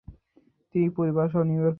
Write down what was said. তিনি পরিবারসহ New York শহরে চলে আসেন।